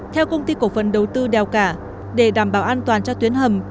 theo công ty cổ phần đầu tư đèo cả để đảm bảo an toàn cho tuyến hầm